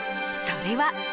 それは。